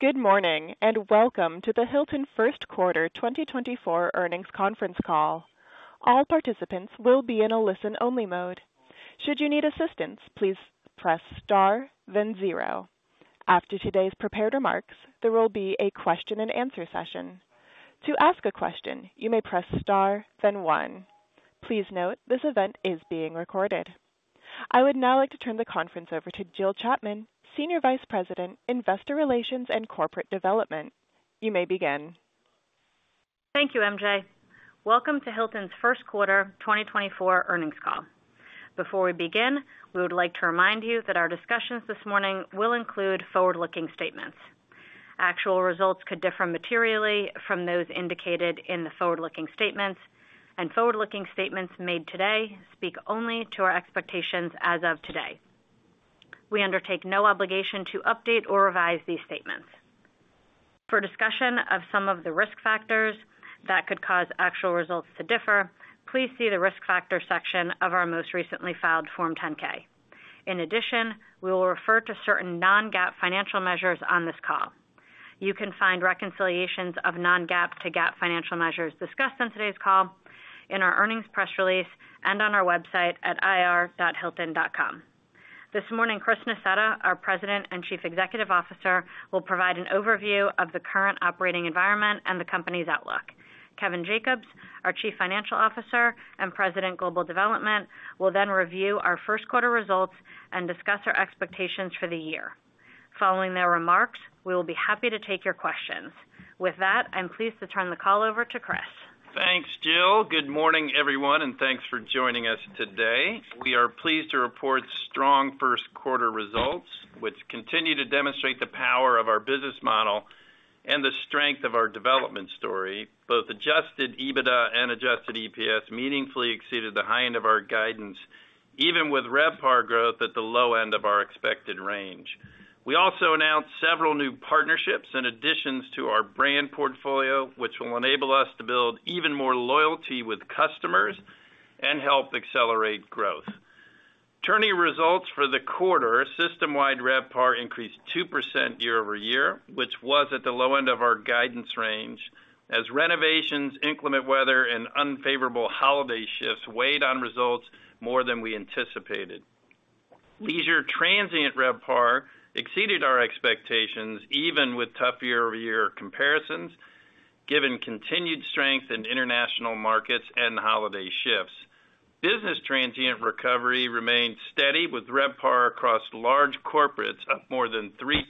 Good morning, and welcome to the Hilton First Quarter 2024 Earnings Conference Call. All participants will be in a listen-only mode. Should you need assistance, please press Star, then zero. After today's prepared remarks, there will be a question-and-answer session. To ask a question, you may press Star, then one. Please note, this event is being recorded. I would now like to turn the conference over to Jill Chapman, Senior Vice President, Investor Relations and Corporate Development. You may begin. Thank you, MJ. Welcome to Hilton's First Quarter 2024 Earnings Call. Before we begin, we would like to remind you that our discussions this morning will include forward-looking statements. Actual results could differ materially from those indicated in the forward-looking statements, and forward-looking statements made today speak only to our expectations as of today. We undertake no obligation to update or revise these statements. For discussion of some of the risk factors that could cause actual results to differ, please see the Risk Factors section of our most recently filed Form 10-K. In addition, we will refer to certain non-GAAP financial measures on this call. You can find reconciliations of non-GAAP to GAAP financial measures discussed on today's call in our earnings press release and on our website at ir.hilton.com. This morning, Chris Nassetta, our President and Chief Executive Officer, will provide an overview of the current operating environment and the company's outlook. Kevin Jacobs, our Chief Financial Officer and President, Global Development, will then review our first quarter results and discuss our expectations for the year. Following their remarks, we will be happy to take your questions. With that, I'm pleased to turn the call over to Chris. Thanks, Jill. Good morning, everyone, and thanks for joining us today. We are pleased to report strong first quarter results, which continue to demonstrate the power of our business model and the strength of our development story. Both Adjusted EBITDA and Adjusted EPS meaningfully exceeded the high end of our guidance, even with RevPAR growth at the low end of our expected range. We also announced several new partnerships and additions to our brand portfolio, which will enable us to build even more loyalty with customers and help accelerate growth. Turning to results for the quarter, system-wide RevPAR increased 2% year-over-year, which was at the low end of our guidance range, as renovations, inclement weather, and unfavorable holiday shifts weighed on results more than we anticipated. Leisure transient RevPAR exceeded our expectations, even with tough year-over-year comparisons, given continued strength in international markets and holiday shifts. Business transient recovery remained steady, with RevPAR across large corporates up more than 3%,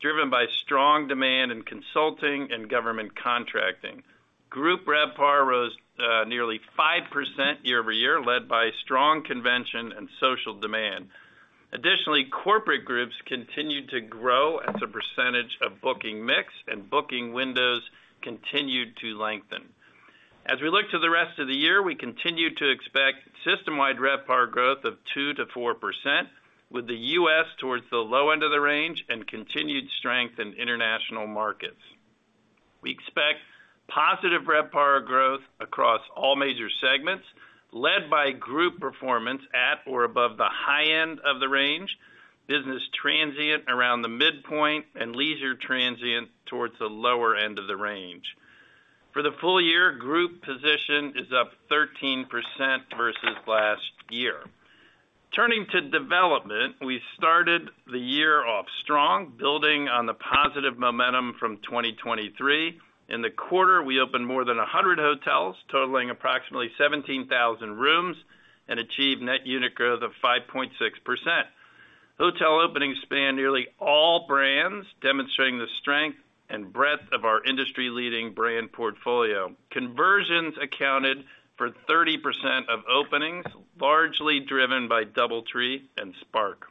driven by strong demand in consulting and government contracting. Group RevPAR rose nearly 5% year-over-year, led by strong convention and social demand. Additionally, corporate groups continued to grow as a percentage of booking mix, and booking windows continued to lengthen. As we look to the rest of the year, we continue to expect system-wide RevPAR growth of 2% to 4%, with the U.S. towards the low end of the range and continued strength in international markets. We expect positive RevPAR growth across all major segments, led by group performance at or above the high end of the range, business transient around the midpoint, and leisure transient towards the lower end of the range. For the full year, group position is up 13% versus last year. Turning to development, we started the year off strong, building on the positive momentum from 2023. In the quarter, we opened more than 100 hotels, totaling approximately 17,000 rooms, and achieved net unit growth of 5.6%. Hotel openings spanned nearly all brands, demonstrating the strength and breadth of our industry-leading brand portfolio. Conversions accounted for 30% of openings, largely driven by DoubleTree and Spark.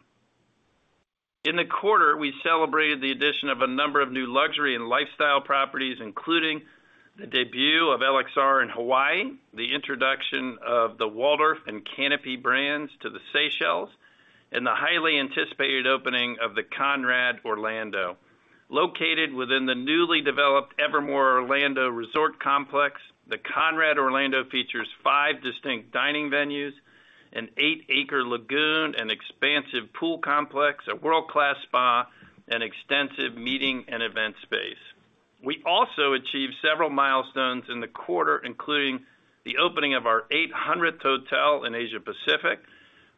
In the quarter, we celebrated the addition of a number of new luxury and lifestyle properties, including the debut of LXR in Hawaii, the introduction of the Waldorf and Canopy brands to the Seychelles, and the highly anticipated opening of the Conrad Orlando. Located within the newly developed Evermore Orlando resort complex, the Conrad Orlando features five distinct dining venues, an eight-acre lagoon, an expansive pool complex, a world-class spa, and extensive meeting and event space. We also achieved several milestones in the quarter, including the opening of our 800th hotel in Asia Pacific,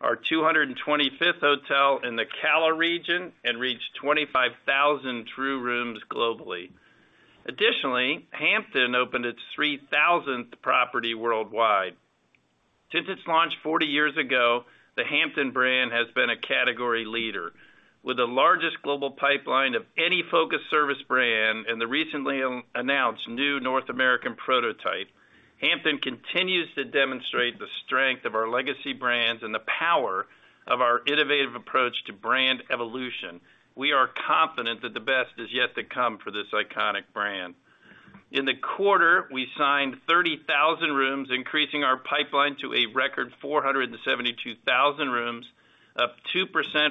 our 225th hotel in the CALA region, and reached 25,000 Tru rooms globally. Additionally, Hampton opened its 3,000th property worldwide. Since its launch 40 years ago, the Hampton brand has been a category leader. With the largest global pipeline of any focused service brand and the recently announced new North American prototype, Hampton continues to demonstrate the strength of our legacy brands and the power of our innovative approach to brand evolution. We are confident that the best is yet to come for this iconic brand. In the quarter, we signed 30,000 rooms, increasing our pipeline to a record 472,000 rooms, up 2%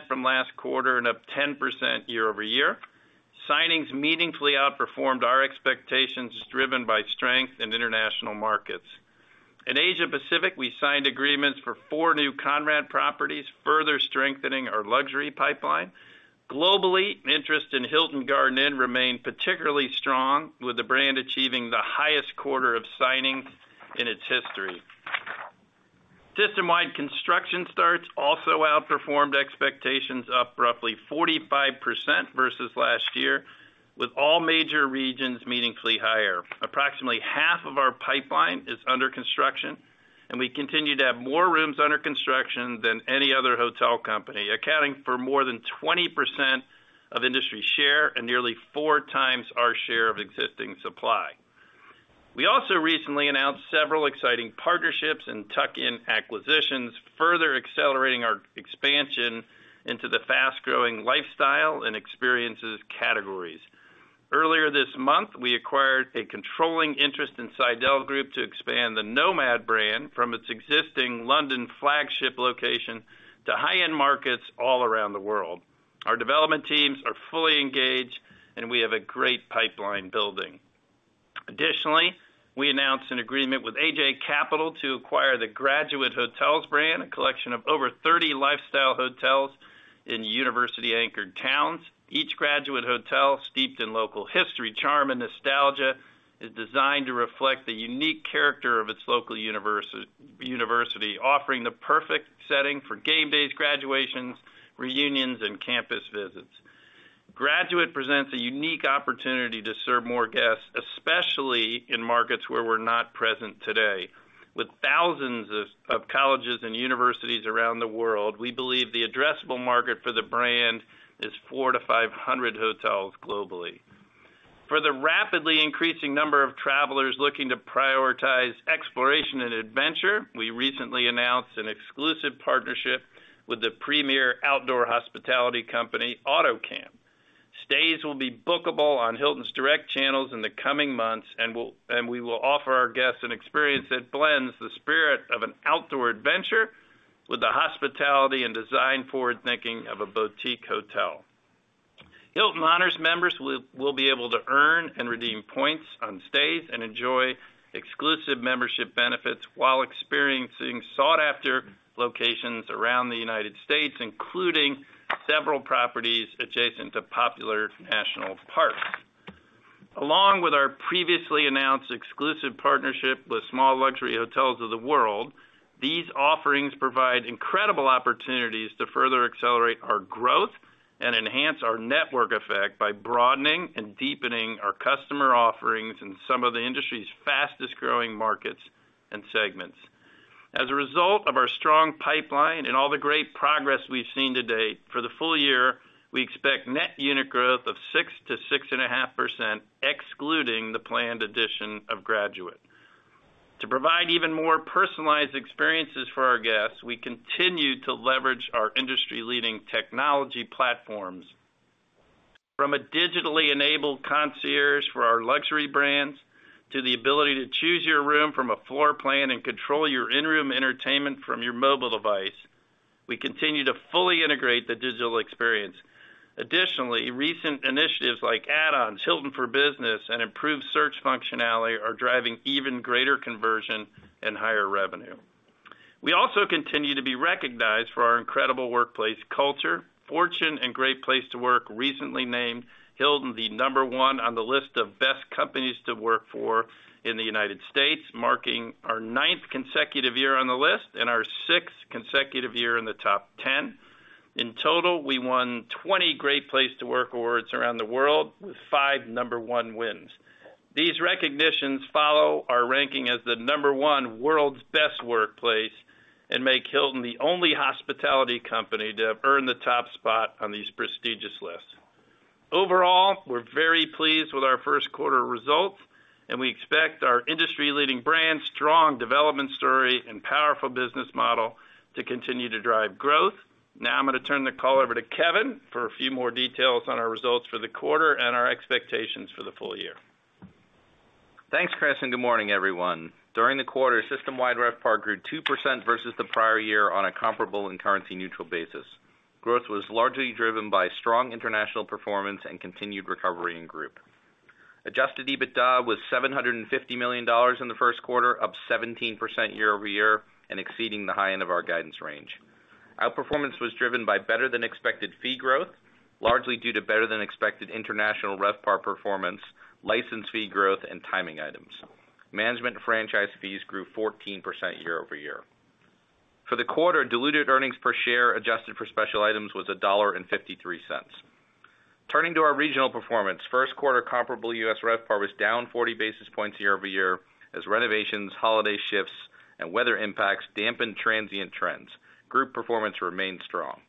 from last quarter and up 10% year-over-year. Signings meaningfully outperformed our expectations, driven by strength in international markets. In Asia Pacific, we signed agreements for four new Conrad properties, further strengthening our luxury pipeline. Globally, interest in Hilton Garden Inn remained particularly strong, with the brand achieving the highest quarter of signings in its history. System-wide construction starts also outperformed expectations, up roughly 45% versus last year, with all major regions meaningfully higher. Approximately half of our pipeline is under construction, and we continue to have more rooms under construction than any other hotel company, accounting for more than 20% of industry share and nearly four times our share of existing supply. We also recently announced several exciting partnerships and tuck-in acquisitions, further accelerating our expansion into the fast-growing lifestyle and experiences categories. Earlier this month, we acquired a controlling interest in Sydell Group to expand the NoMad brand from its existing London flagship location to high-end markets all around the world. Our development teams are fully engaged, and we have a great pipeline building. Additionally, we announced an agreement with AJ Capital to acquire the Graduate Hotels brand, a collection of over 30 lifestyle hotels in university-anchored towns. Each Graduate Hotel, steeped in local history, charm, and nostalgia, is designed to reflect the unique character of its local university, offering the perfect setting for game days, graduations, reunions, and campus visits. Graduate presents a unique opportunity to serve more guests, especially in markets where we're not present today. With thousands of colleges and universities around the world, we believe the addressable market for the brand is 400-500 hotels globally. For the rapidly increasing number of travelers looking to prioritize exploration and adventure, we recently announced an exclusive partnership with the premier outdoor hospitality company, AutoCamp. Stays will be bookable on Hilton's direct channels in the coming months, and we will offer our guests an experience that blends the spirit of an outdoor adventure with the hospitality and design forward thinking of a boutique hotel. Hilton Honors members will be able to earn and redeem points on stays and enjoy exclusive membership benefits while experiencing sought-after locations around the United States, including several properties adjacent to popular national parks. Along with our previously announced exclusive partnership with Small Luxury Hotels of the World, these offerings provide incredible opportunities to further accelerate our growth and enhance our network effect by broadening and deepening our customer offerings in some of the industry's fastest-growing markets and segments. As a result of our strong pipeline and all the great progress we've seen to date, for the full year, we expect net unit growth of 6% to 6.5%, excluding the planned addition of Graduate. To provide even more personalized experiences for our guests, we continue to leverage our industry-leading technology platforms. From a digitally enabled concierge for our luxury brands, to the ability to choose your room from a floor plan and control your in-room entertainment from your mobile device, we continue to fully integrate the digital experience. Additionally, recent initiatives like add-ons, Hilton for Business, and improved search functionality are driving even greater conversion and higher revenue. We also continue to be recognized for our incredible workplace culture. Fortune and Great Place to Work recently named Hilton the number one on the list of Best Companies to Work For in the United States, marking our ninth consecutive year on the list and our sixth consecutive year in the top 10. In total, we won 20 Great Place to Work awards around the world, with five number one wins. These recognitions follow our ranking as the number one World's Best Workplace and make Hilton the only hospitality company to have earned the top spot on these prestigious lists. Overall, we're very pleased with our first quarter results, and we expect our industry-leading brand, strong development story, and powerful business model to continue to drive growth. Now I'm going to turn the call over to Kevin for a few more details on our results for the quarter and our expectations for the full year. Thanks, Chris, and good morning, everyone. During the quarter, system-wide RevPAR grew 2% versus the prior year on a comparable and currency-neutral basis. Growth was largely driven by strong international performance and continued recovery in group. Adjusted EBITDA was $750 million in the first quarter, up 17% year-over-year and exceeding the high end of our guidance range. Outperformance was driven by better than expected fee growth, largely due to better than expected international RevPAR performance, license fee growth, and timing items. Management and franchise fees grew 14% year-over-year. For the quarter, diluted earnings per share, adjusted for special items, was $1.53. Turning to our regional performance, first quarter comparable U.S. RevPAR was down 40 basis points year-over-year as renovations, holiday shifts, and weather impacts dampened transient trends. Group performance remained strong.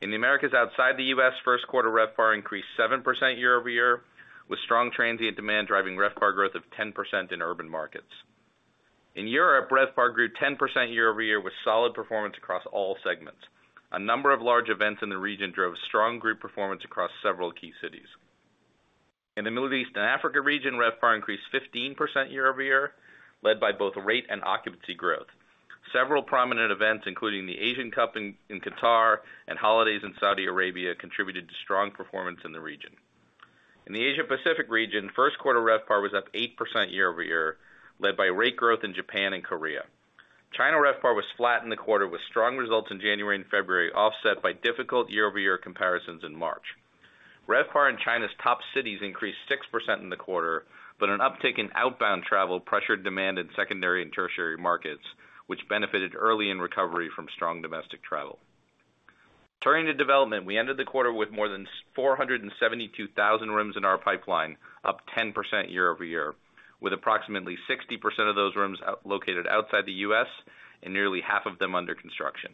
In the Americas, outside the U.S., first quarter RevPAR increased 7% year-over-year, with strong transient demand driving RevPAR growth of 10% in urban markets. In Europe, RevPAR grew 10% year-over-year with solid performance across all segments. A number of large events in the region drove strong group performance across several key cities. In the Middle East and Africa region, RevPAR increased 15% year-over-year, led by both rate and occupancy growth. Several prominent events, including the Asian Cup in Qatar and holidays in Saudi Arabia, contributed to strong performance in the region. In the Asia Pacific region, first quarter RevPAR was up 8% year-over-year, led by rate growth in Japan and Korea. China RevPAR was flat in the quarter, with strong results in January and February, offset by difficult year-over-year comparisons in March. RevPAR in China's top cities increased 6% in the quarter, but an uptick in outbound travel pressured demand in secondary and tertiary markets, which benefited early in recovery from strong domestic travel. Turning to development, we ended the quarter with more than 472,000 rooms in our pipeline, up 10% year-over-year, with approximately 60% of those rooms located outside the U.S., and nearly half of them under construction.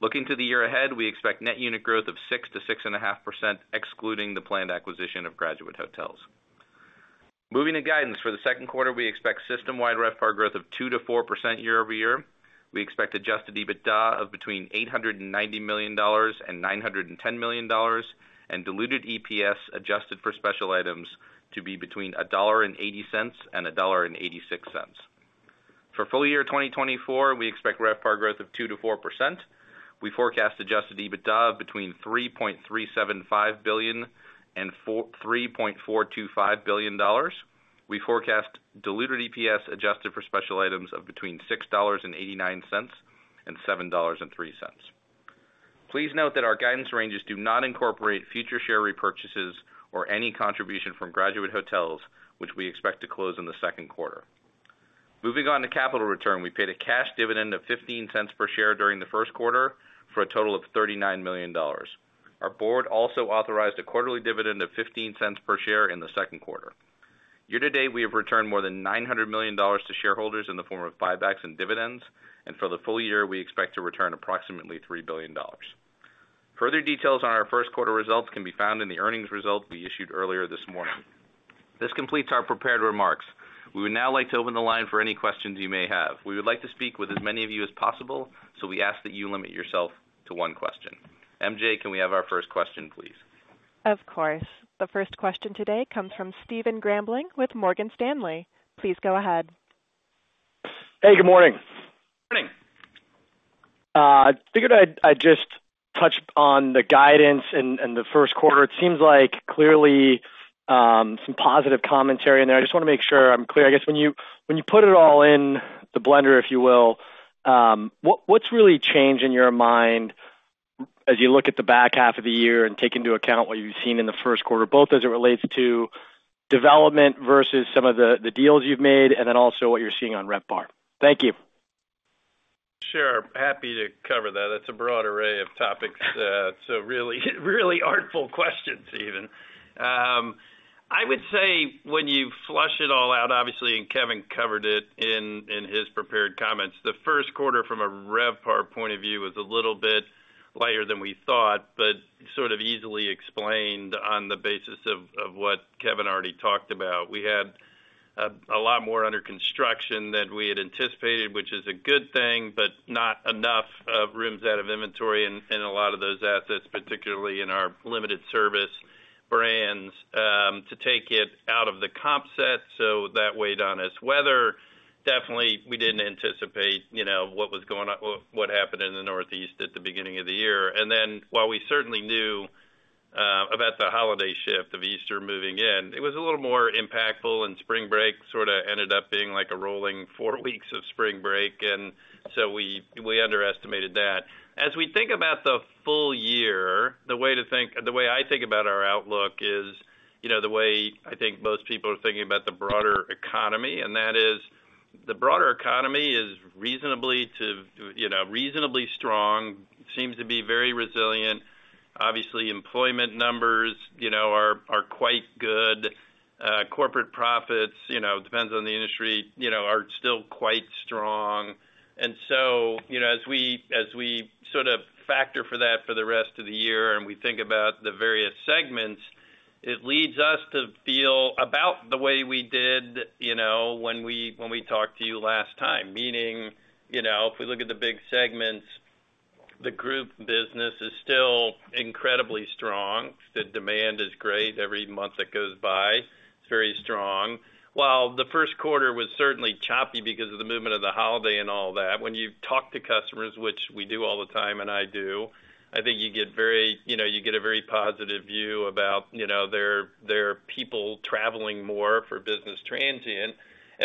Looking to the year ahead, we expect net unit growth of 6%-6.5%, excluding the planned acquisition of Graduate Hotels. Moving to guidance for the second quarter, we expect system-wide RevPAR growth of 2%-4% year-over-year. We expect adjusted EBITDA of between $890 million and $910 million, and diluted EPS, adjusted for special items, to be between $1.80 and $1.86. For full year 2024, we expect RevPAR growth of 2%-4%. We forecast adjusted EBITDA of between $3.375 billion and $3.425 billion. We forecast diluted EPS, adjusted for special items, of between $6.89 and $7.03. Please note that our guidance ranges do not incorporate future share repurchases or any contribution from Graduate Hotels, which we expect to close in the second quarter. Moving on to capital return, we paid a cash dividend of 15 cents per share during the first quarter for a total of $39 million. Our board also authorized a quarterly dividend of 15 cents per share in the second quarter. Year to date, we have returned more than $900 million to shareholders in the form of buybacks and dividends, and for the full year, we expect to return approximately $3 billion. Further details on our first quarter results can be found in the earnings results we issued earlier this morning. This completes our prepared remarks. We would now like to open the line for any questions you may have. We would like to speak with as many of you as possible, so we ask that you limit yourself to one question. MJ, can we have our first question, please? Of course. The first question today comes from Stephen Grambling with Morgan Stanley. Please go ahead. Hey, good morning. Good morning. I figured I'd just touch on the guidance in the first quarter. It seems like clearly some positive commentary in there. I just wanna make sure I'm clear. I guess, when you put it all in the blender, if you will, what's really changed in your mind as you look at the back half of the year and take into account what you've seen in the first quarter, both as it relates to development versus some of the deals you've made, and then also what you're seeing on RevPAR? Thank you. Sure. Happy to cover that. It's a broad array of topics, so really, really artful questions, even. I would say, when you flush it all out, obviously, and Kevin covered it in his prepared comments, the first quarter, from a RevPAR point of view, was a little bit lighter than we thought, but sort of easily explained on the basis of what Kevin already talked about. We had a lot more under construction than we had anticipated, which is a good thing, but not enough rooms out of inventory in a lot of those assets, particularly in our limited service brands, to take it out of the comp set, so that weighed on us. Weather, definitely, we didn't anticipate, you know, what was going on—what happened in the Northeast at the beginning of the year. And then, while we certainly knew about the holiday shift of Easter moving in, it was a little more impactful, and spring break sort of ended up being like a rolling four weeks of spring break, and so we, we underestimated that. As we think about the full year, the way to think—the way I think about our outlook is, you know, the way I think most people are thinking about the broader economy, and that is, the broader economy is reasonably to, you know, reasonably strong, seems to be very resilient. Obviously, employment numbers, you know, are, are quite good. Corporate profits, you know, depends on the industry, you know, are still quite strong. So, you know, as we, as we sort of factor for that for the rest of the year, and we think about the various segments, it leads us to feel about the way we did, you know, when we, when we talked to you last time. Meaning, you know, if we look at the big segments, the group business is still incredibly strong. The demand is great. Every month that goes by, it's very strong. While the first quarter was certainly choppy because of the movement of the holiday and all that, when you talk to customers, which we do all the time, and I do, I think you get very you get a very positive view about, you know, there, there are people traveling more for business transient.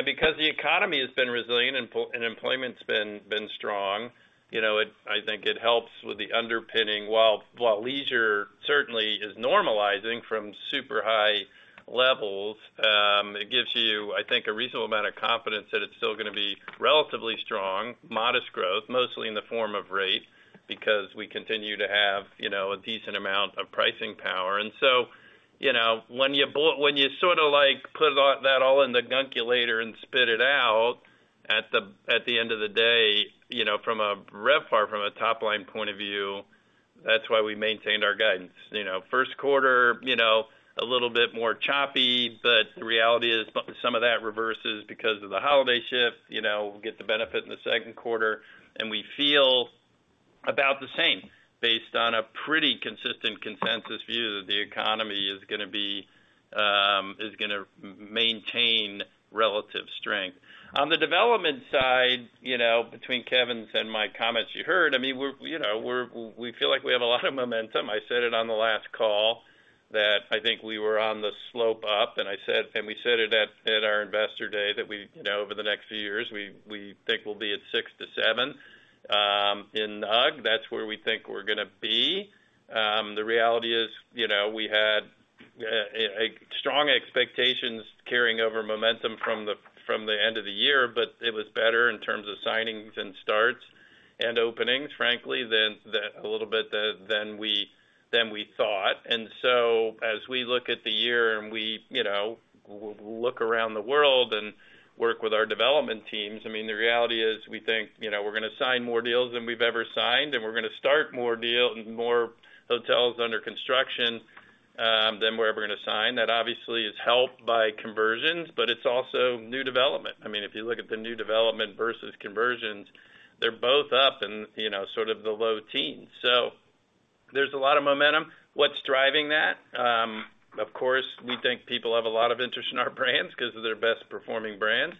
Because the economy has been resilient and employment's been strong, you know, I think it helps with the underpinning. While leisure certainly is normalizing from super high levels, it gives you, I think, a reasonable amount of confidence that it's still gonna be relatively strong, modest growth, mostly in the form of rate, because we continue to have, you know, a decent amount of pricing power. And so, you know, when you sort of like put all that in the gunkulator and spit it out, at the end of the day, you know, from a RevPAR, from a top-line point of view, that's why we maintained our guidance. You know, first quarter, you know, a little bit more choppy, but the reality is, some of that reverses because of the holiday shift. You know, we'll get the benefit in the second quarter, and we feel about the same, based on a pretty consistent consensus view that the economy is gonna be gonna maintain relative strength. On the development side, you know, between Kevin's and my comments, you heard, I mean, we're, you know, we feel like we have a lot of momentum. I said it on the last call, that I think we were on the slope up, and I said, and we said it at our investor day, that we, you know, over the next few years, we think we'll be at 6-7 in NUG. That's where we think we're gonna be. The reality is, you know, we had a strong expectations carrying over momentum from the end of the year, but it was better in terms of signings and starts and openings, frankly, than a little bit than we thought. And so as we look at the year and we, you know, look around the world and work with our development teams, I mean, the reality is, we think, you know, we're gonna sign more deals than we've ever signed, and we're gonna start more hotels under construction than where we're gonna sign. That obviously is helped by conversions, but it's also new development. I mean, if you look at the new development versus conversions, they're both up and, you know, sort of the low teens. So there's a lot of momentum. What's driving that? Of course, we think people have a lot of interest in our brands because they're best-performing brands.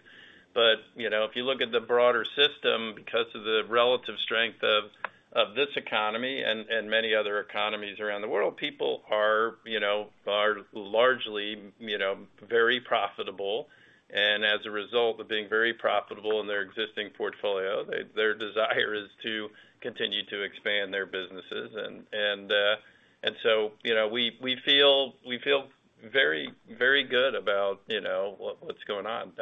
But, you know, if you look at the broader system, because of the relative strength of this economy and many other economies around the world, people are, you know, largely, you know, very profitable. And as a result of being very profitable in their existing portfolio, their desire is to continue to expand their businesses. And so, you know, we, we feel very, very good about, you know, what's going on.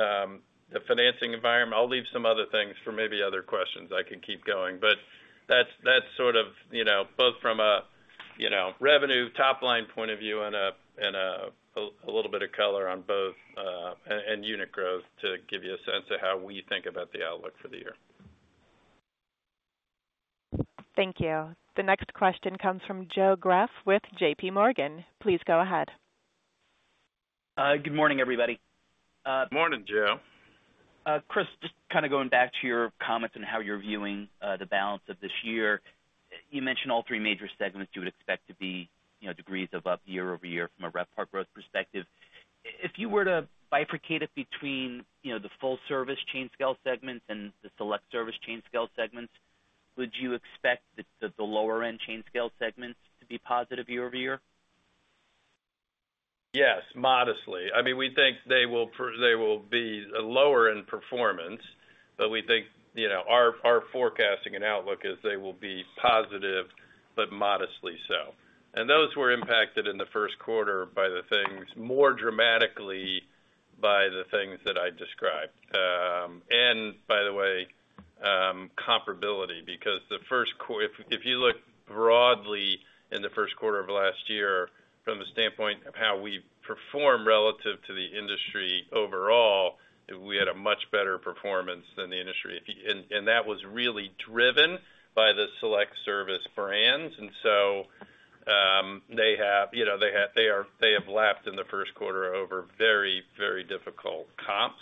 The financing environment I'll leave some other things for maybe other questions. I could keep going, but that's, that's sort of, you know, both from a, you know, revenue top-line point of view and a, and a little bit of color on both, and unit growth to give you a sense of how we think about the outlook for the year. Thank you. The next question comes from Joe Greff with J.P. Morgan. Please go ahead. Good morning, everybody. Morning, Joe. Chris, just kind of going back to your comments on how you're viewing the balance of this year. You mentioned all three major segments you would expect to be, you know, degrees of up year-over-year from a RevPAR growth perspective. If you were to bifurcate it between, you know, the full service chain scale segments and the select service chain scale segments, would you expect the lower end chain scale segments to be positive year-over-year? Yes, modestly. I mean, we think they will be lower in performance, but we think, you know, our forecasting and outlook is they will be positive, but modestly so. And those were impacted in the first quarter by the things, more dramatically by the things that I described. And by the way, comparability, because the first quarter of last year, from the standpoint of how we performed relative to the industry overall, we had a much better performance than the industry. And that was really driven by the select service brands, and so, they have lapped in the first quarter over very, very difficult comps.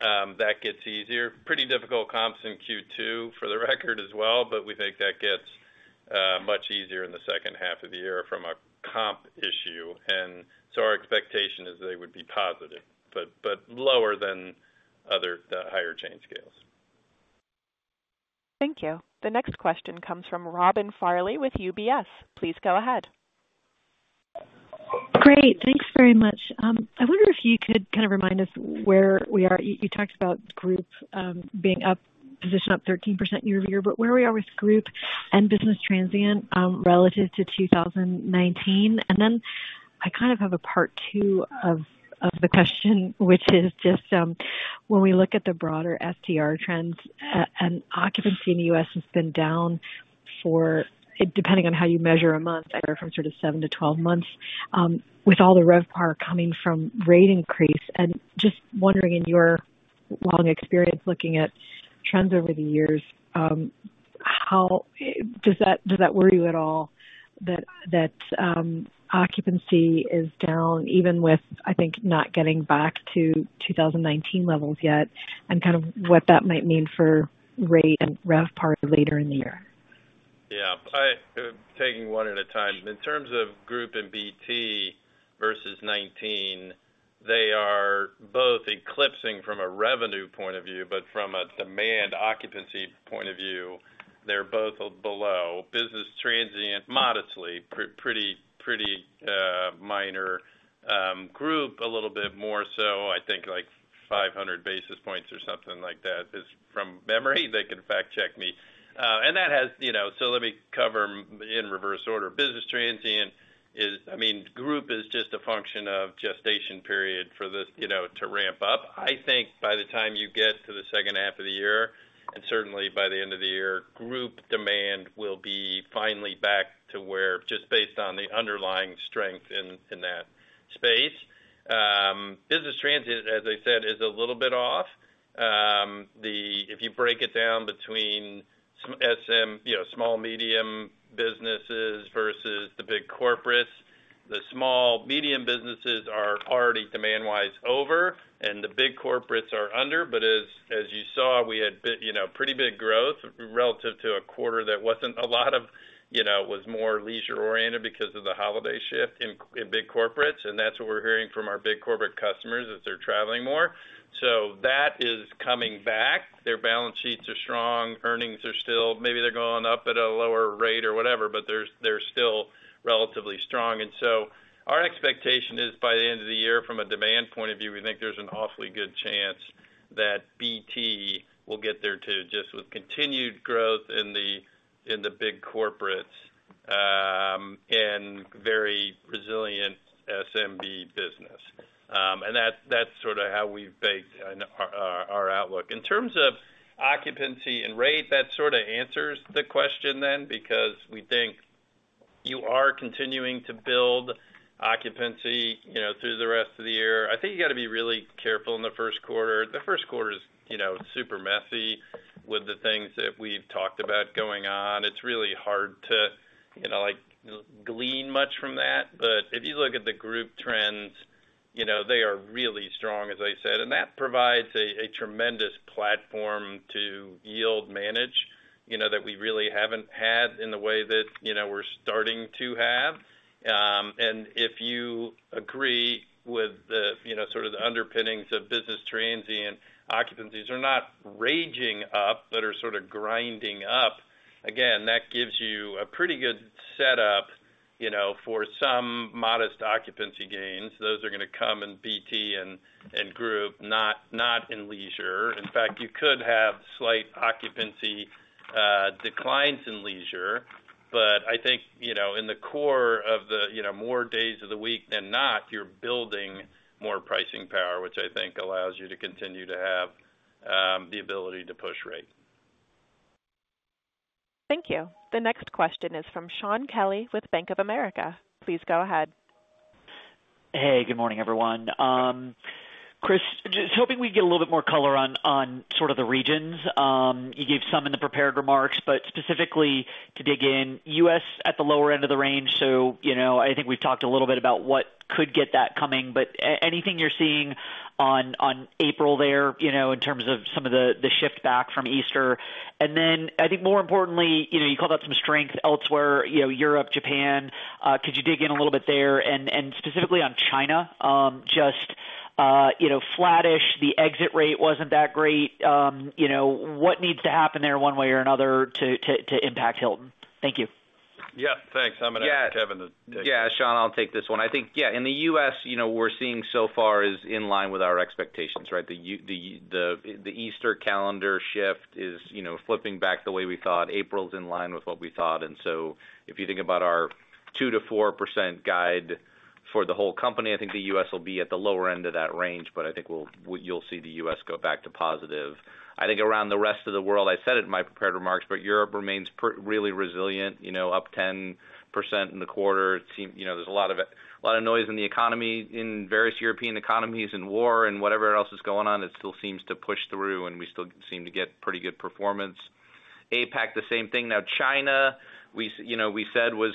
That gets easier. Pretty difficult comps in Q2 for the record as well, but we think that gets much easier in the second half of the year from a comp issue. And so our expectation is they would be positive, but lower than other, the higher chain scales. Thank you. The next question comes from Robin Farley with UBS. Please go ahead. Great, thanks very much. I wonder if you could kind of remind us where we are. You, you talked about group, being up, position up 13% year-over-year, but where we are with group and business transient, relative to 2019? And then I kind of have a part two of the question, which is just, when we look at the broader STR trends, and occupancy in the U.S. has been down for, depending on how you measure a month, either from sort of 7-12 months, with all the RevPAR coming from rate increase, and just wondering in your long experience looking at trends over the years, how does that, does that worry you at all that occupancy is down, even with, I think, not getting back to 2019 levels yet, and kind of what that might mean for rate and RevPAR later in the year? Yeah, taking one at a time. In terms of group and BT versus 2019, they are both eclipsing from a revenue point of view, but from a demand occupancy point of view, they're both below business transient, modestly, pretty minor, group a little bit more so, I think, like, 500 basis points or something like that, from memory, they can fact-check me. And that has, you know so let me cover in reverse order. Business transient is, I mean, group is just a function of gestation period for this, you know, to ramp up. I think by the time you get to the second half of the year, and certainly by the end of the year, group demand will be finally back to where just based on the underlying strength in that space. Business transient, as I said, is a little bit off. If you break it down between SMB, you know, small medium businesses versus the big corporates, the small, medium businesses are already comp-wise over, and the big corporates are under. But as you saw, we had bit, you know, pretty big growth relative to a quarter that was more leisure-oriented because of the holiday shift in big corporates, and that's what we're hearing from our big corporate customers, is they're traveling more. So that is coming back. Their balance sheets are strong, earnings are still, maybe they're going up at a lower rate or whatever, but they're still relatively strong. Our expectation is, by the end of the year, from a demand point of view, we think there's an awfully good chance that BT will get there, too, just with continued growth in the big corporates and very resilient SMB business. And that's sort of how we've baked in our outlook. In terms of occupancy and rate, that sort of answers the question then, because we think you are continuing to build occupancy, you know, through the rest of the year. I think you gotta be really careful in the first quarter. The first quarter's, you know, super messy with the things that we've talked about going on. It's really hard to, you know, like, glean much from that. But if you look at the group trends, you know, they are really strong, as I said, and that provides a tremendous platform to yield manage, you know, that we really haven't had in the way that, you know, we're starting to have. And if you agree with the, you know, sort of the underpinnings of business transient, occupancies are not raging up, but are sort of grinding up. Again, that gives you a pretty good setup, you know, for some modest occupancy gains. Those are gonna come in BT and group, not in leisure. In fact, you could have slight occupancy declines in leisure, but I think, you know, in the core of the, you know, more days of the week than not, you're building more pricing power, which I think allows you to continue to have the ability to push rate. Thank you. The next question is from Shaun Kelly with Bank of America. Please go ahead. Hey, good morning, everyone. Chris, just hoping we'd get a little bit more color on, on sort of the regions. You gave some in the prepared remarks, but specifically to dig in, U.S. at the lower end of the range, so, you know, I think we've talked a little bit about what could get that coming, but anything you're seeing on, on April there, you know, in terms of some of the, the shift back from Easter? And then, I think more importantly, you know, you called out some strength elsewhere, you know, Europe, Japan. Could you dig in a little bit there? And, and specifically on China, just, you know, flattish, the exit rate wasn't that great. You know, what needs to happen there, one way or another, to, to, to impact Hilton? Thank you. Yeah, thanks. Yeah. I'm gonna ask Kevin to take this. Yeah, Shaun, I'll take this one. I think, yeah, in the U.S., you know, we're seeing so far is in line with our expectations, right? The Easter calendar shift is, you know, flipping back the way we thought. April's in line with what we thought, and so if you think about our 2%-4% guide for the whole company, I think the U.S. will be at the lower end of that range, but I think we'll—you'll see the U.S. go back to positive. I think around the rest of the world, I said it in my prepared remarks, but Europe remains really resilient, you know, up 10% in the quarter. It seems, you know, there's a lot of it, a lot of noise in the economy, in various European economies, and war and whatever else is going on, it still seems to push through, and we still seem to get pretty good performance. APAC, the same thing. Now, China, we said was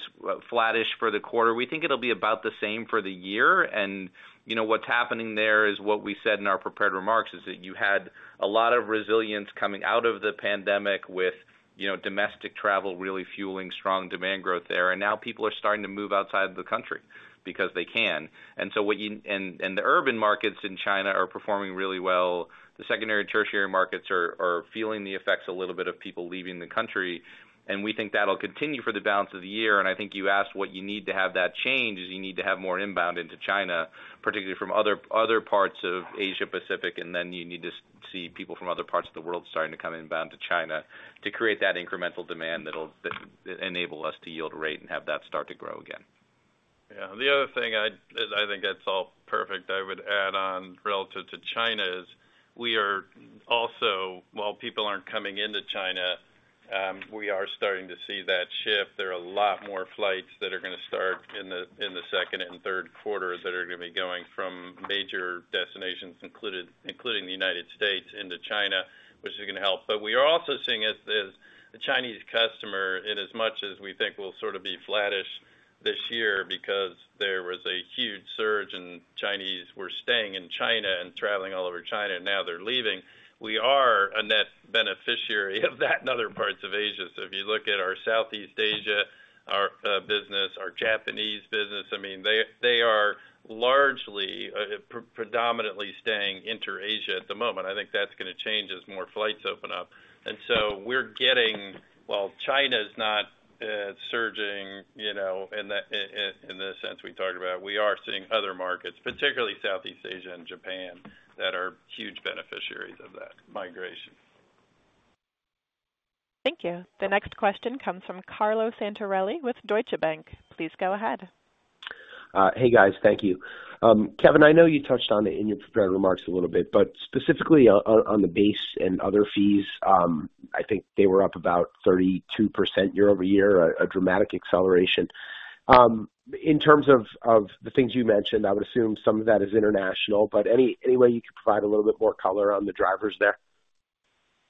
flattish for the quarter. We think it'll be about the same for the year. And, you know, what's happening there is what we said in our prepared remarks, is that you had a lot of resilience coming out of the pandemic with, you know, domestic travel really fueling strong demand growth there, and now people are starting to move outside of the country because they can. And so what you and, and the urban markets in China are performing really well. The secondary, tertiary markets are feeling the effects a little bit of people leaving the country, and we think that'll continue for the balance of the year. I think you asked what you need to have that change, is you need to have more inbound into China, particularly from other parts of Asia Pacific, and then you need to see people from other parts of the world starting to come inbound to China, to create that incremental demand that'll enable us to yield rate and have that start to grow again. Yeah. The other thing I'd I think that's all perfect. I would add on relative to China, is we are also, while people aren't coming into China, we are starting to see that shift. There are a lot more flights that are gonna start in the second and third quarters that are gonna be going from major destinations, including the United States into China, which is gonna help. But we are also seeing, as the Chinese customer, in as much as we think we'll sort of be flattish this year, because there was a huge surge in Chinese were staying in China and traveling all over China, and now they're leaving. We are a net beneficiary of that in other parts of Asia. So if you look at our Southeast Asia, our business, our Japanese business, I mean, they are largely predominantly staying intra-Asia at the moment. I think that's gonna change as more flights open up. And so we're getting, while China's not surging, you know, in the sense we talked about, we are seeing other markets, particularly Southeast Asia and Japan, that are huge beneficiaries of that migration. Thank you. The next question comes from Carlo Santarelli with Deutsche Bank. Please go ahead. Hey, guys. Thank you. Kevin, I know you touched on it in your prepared remarks a little bit, but specifically on the base and other fees, I think they were up about 32% year-over-year, a dramatic acceleration. In terms of the things you mentioned, I would assume some of that is international, but any way you could provide a little bit more color on the drivers there?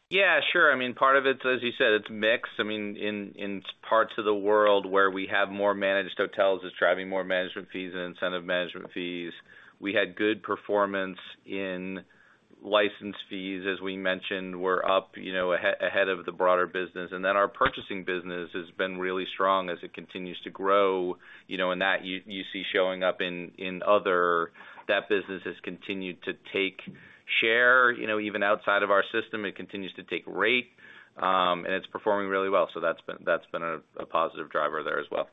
Yeah, sure. I mean, part of it, as you said, it's mixed. I mean, in parts of the world where we have more managed hotels, it's driving more management fees and incentive management fees. We had good performance in license fees, as we mentioned, we're up, you know, ahead of the broader business. And then our purchasing business has been really strong as it continues to grow, you know, and that you see showing up in other. That business has continued to take share, you know, even outside of our system, it continues to take rate, and it's performing really well. So that's been a positive driver there as well.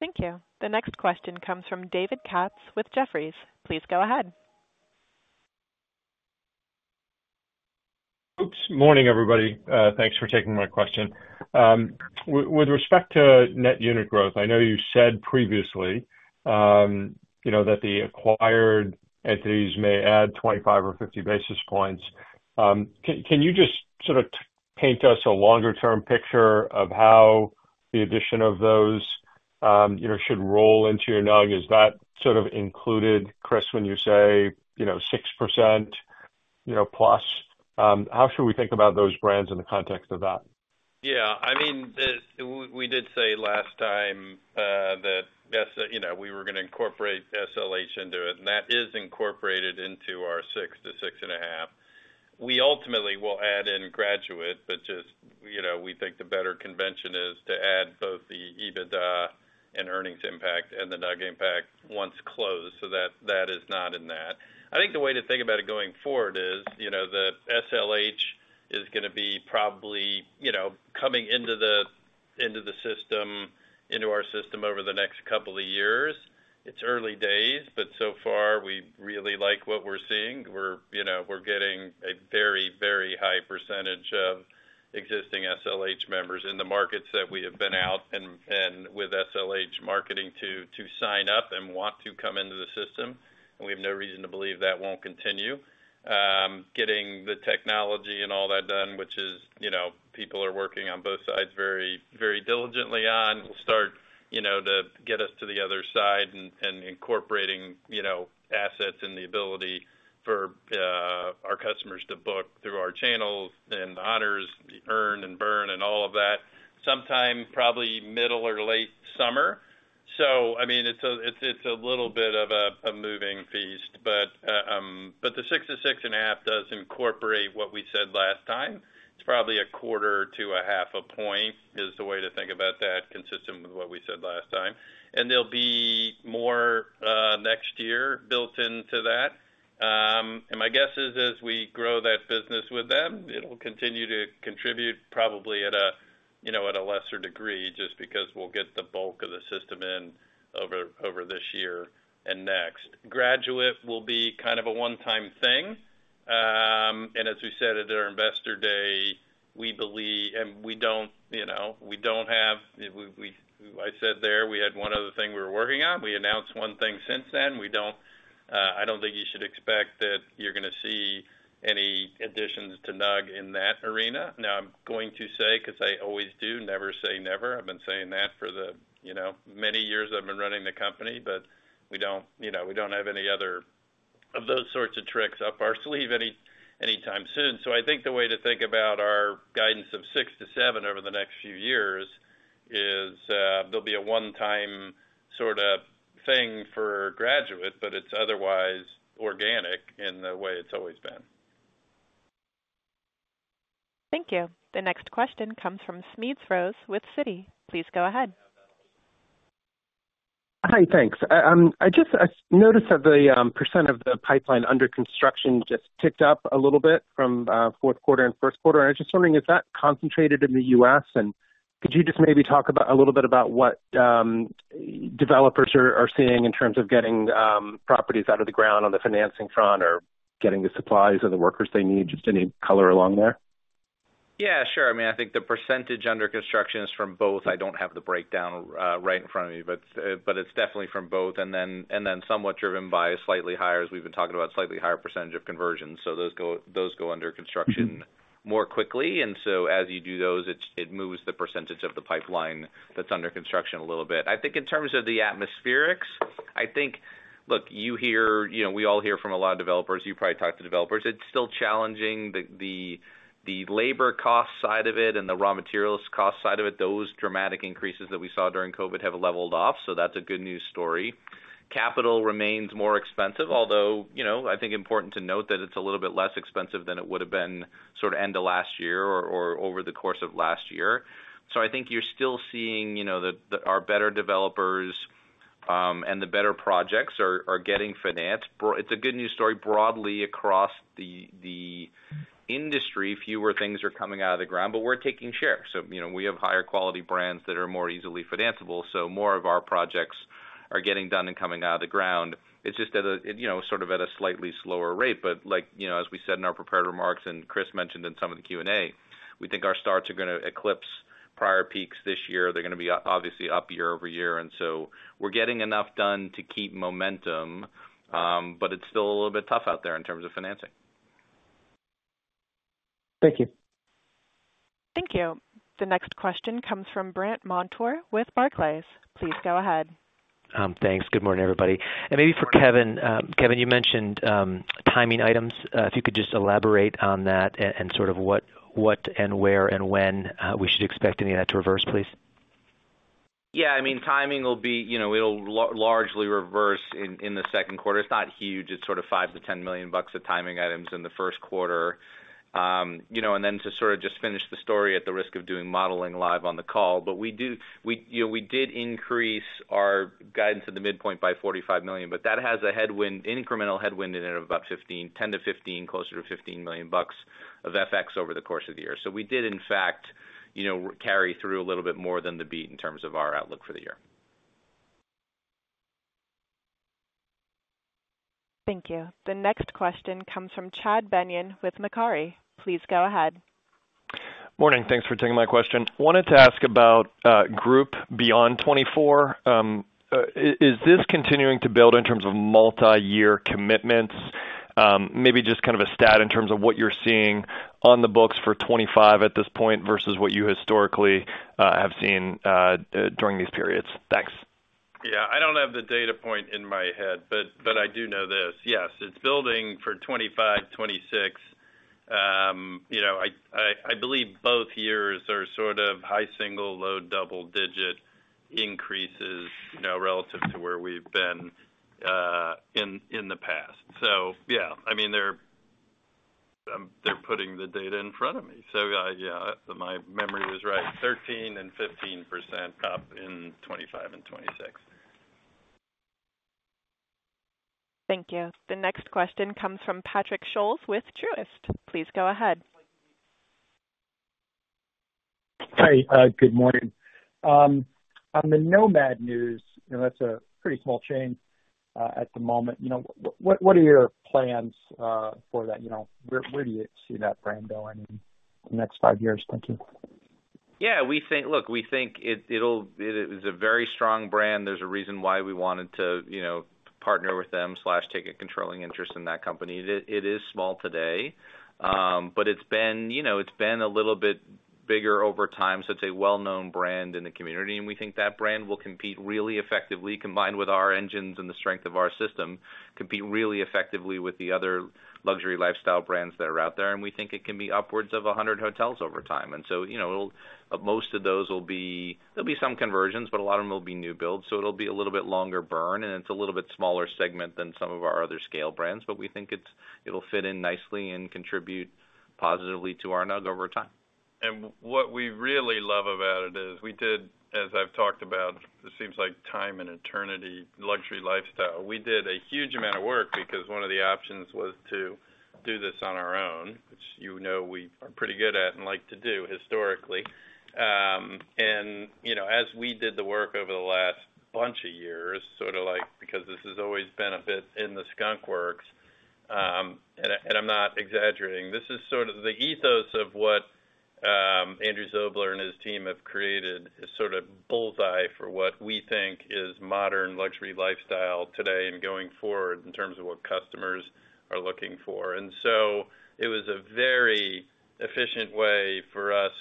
Thank you. The next question comes from David Katz with Jefferies. Please go ahead. Morning, everybody. Thanks for taking my question. With respect to net unit growth, I know you said previously, you know, that the acquired entities may add 25 or 50 basis points. Can you just sort of paint us a longer-term picture of how the addition of those, you know, should roll into your NUG? Is that sort of included, Chris, when you say, you know, 6%+? How should we think about those brands in the context of that? Yeah, I mean, we did say last time that, you know, we were gonna incorporate SLH into it, and that is incorporated into our 6-6.5. We ultimately will add in Graduate, but just, you know, we think the better convention is to add both the EBITDA and earnings impact and the NUG impact once closed, so that, that is not in that. I think the way to think about it going forward is, you know, the SLH is gonna be probably, you know, coming into the into our system over the next couple of years. It's early days, but so far, we really like what we're seeing. We're, you know, we're getting a very, very high percentage of existing SLH members in the markets that we have been out and, and with SLH marketing to, to sign up and want to come into the system, and we have no reason to believe that won't continue. Getting the technology and all that done, which is, you know, people are working on both sides very, very diligently on, will start, you know, to get us to the other side and, and incorporating, you know, assets and the ability for our customers to book through our channels and the Honors, earn and burn and all of that, sometime probably middle or late summer. So, I mean, it's a little bit of a moving feast, but the 6-6.5 does incorporate what we said last time. It's probably 0.25-0.5 point, is the way to think about that, consistent with what we said last time. There'll be more next year built into that. And my guess is as we grow that business with them, it'll continue to contribute probably at a, you know, at a lesser degree, just because we'll get the bulk of the system in over, over this year and next. Graduate will be kind of a one-time thing. And as we said at our Investor Day, we believe, and we don't, you know, we don't have, we, we, I said there, we had one other thing we were working on. We announced one thing since then. We don't, I don't think you should expect that you're gonna see any additions to NUG in that arena. Now, I'm going to say, because I always do, never say never. I've been saying that for the, you know, many years I've been running the company, but we don't, you know, we don't have any other of those sorts of tricks up our sleeve any, anytime soon. So I think the way to think about our guidance of 6-7 over the next few years is, there'll be a one-time sort of thing for Graduate, but it's otherwise organic in the way it's always been. Thank you. The next question comes from Smedes Rose with Citi. Please go ahead. Hi, thanks. I just noticed that the percent of the pipeline under construction just ticked up a little bit from fourth quarter and first quarter. I was just wondering, is that concentrated in the US? And could you just maybe talk about a little bit about what developers are seeing in terms of getting properties out of the ground on the financing front or getting the supplies or the workers they need? Just any color along there. Yeah, sure. I mean, I think the percentage under construction is from both. I don't have the breakdown, right in front of me, but, but it's definitely from both, and then somewhat driven by a slightly higher, as we've been talking about, slightly higher percentage of conversion. So those go under construction more quickly. And so as you do those, it moves the percentage of the pipeline that's under construction a little bit. I think in terms of the atmospherics, I think look, you hear, you know, we all hear from a lot of developers, you probably talk to developers, it's still challenging. The labor cost side of it and the raw materials cost side of it, those dramatic increases that we saw during COVID have leveled off, so that's a good news story. Capital remains more expensive, although, you know, I think important to note that it's a little bit less expensive than it would have been sort of end of last year or over the course of last year. So I think you're still seeing, you know, our better developers and the better projects are getting financed. It's a good news story broadly across the industry. Fewer things are coming out of the ground, but we're taking share. So, you know, we have higher quality brands that are more easily financeable, so more of our projects are getting done and coming out of the ground. It's just, you know, sort of at a slightly slower rate, but like, you know, as we said in our prepared remarks, and Chris mentioned in some of the Q&A, we think our starts are gonna eclipse prior peaks this year. They're gonna be obviously up year-over-year, and so we're getting enough done to keep momentum, but it's still a little bit tough out there in terms of financing. Thank you. Thank you. The next question comes from Brent Montour with Barclays. Please go ahead. Thanks. Good morning, everybody. And maybe for Kevin, Kevin, you mentioned timing items. If you could just elaborate on that and sort of what, what and where and when we should expect any of that to reverse, please? Yeah, I mean, timing will be, you know, it'll largely reverse in, in the second quarter. It's not huge. It's sort of $5 million-$10 million of timing items in the first quarter. You know, and then to sort of just finish the story at the risk of doing modeling live on the call, but we, you know, we did increase our guidance at the midpoint by $45 million, but that has a headwind, incremental headwind in it of about 15, 10-15, closer to 15 million bucks of FX over the course of the year. So we did in fact, you know, carry through a little bit more than the beat in terms of our outlook for the year. Thank you. The next question comes from Chad Beynon with Macquarie. Please go ahead. Morning. Thanks for taking my question. I wanted to ask about group beyond 2024. Is this continuing to build in terms of multi-year commitments? Maybe just kind of a stat in terms of what you're seeing on the books for 2025 at this point versus what you historically have seen during these periods? Thanks. Yeah. I don't have the data point in my head, but, but I do know this. Yes, it's building for 2025, 2026. You know, I believe both years are sort of high single, low double-digit increases, you know, relative to where we've been, in the past. So yeah, I mean, they're putting the data in front of me. So, yeah, my memory was right, 13% and 15% up in 2025 and 2026. Thank you. The next question comes from Patrick Scholes with Truist. Please go ahead. Hi, good morning. On the NoMad news, you know, that's a pretty small chain at the moment. You know, what are your plans for that? You know, where do you see that brand going in the next five years? Thank you. Yeah, we think it is a very strong brand. There's a reason why we wanted to, you know, partner with them slash take a controlling interest in that company. It is small today, but it's been, you know, it's been a little bit bigger over time, so it's a well-known brand in the community, and we think that brand will compete really effectively, combined with our engines and the strength of our system, compete really effectively with the other luxury lifestyle brands that are out there, and we think it can be upwards of 100 hotels over time. And so, you know, it'll, most of those will be there'll be some conversions, but a lot of them will be new builds, so it'll be a little bit longer burn, and it's a little bit smaller segment than some of our other scale brands, but we think it'll fit in nicely and contribute positively to our NUG over time. What we really love about it is, we did, as I've talked about, it seems like time and eternity, luxury lifestyle. We did a huge amount of work because one of the options was to do this on our own, which you know we are pretty good at and like to do historically. You know, as we did the work over the last bunch of years, sort of like, because this has always been a bit in the skunk works, and I'm not exaggerating. This is sort of the ethos of what Andrew Zobler and his team have created, a sort of bullseye for what we think is modern luxury lifestyle today and going forward in terms of what customers are looking for. And so it was a very efficient way for us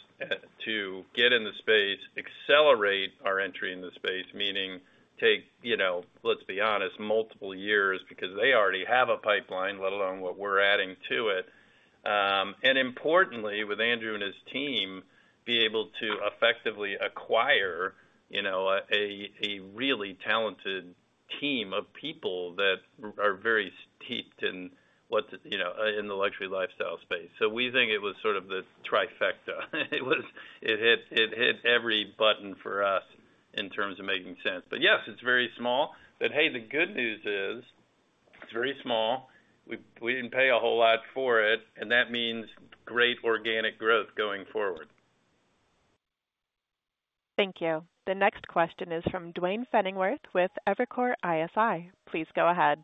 to get in the space, accelerate our entry in the space, meaning take, you know, let's be honest, multiple years, because they already have a pipeline, let alone what we're adding to it. And importantly, with Andrew and his team, be able to effectively acquire, you know, a really talented team of people that are very steeped in what the, you know, in the luxury lifestyle space. So we think it was sort of the trifecta. It was it hit, it hit every button for us in terms of making sense. But yes, it's very small. But hey, the good news is, it's very small, we didn't pay a whole lot for it, and that means great organic growth going forward. Thank you. The next question is from Duane Pfennigwerth with Evercore ISI. Please go ahead.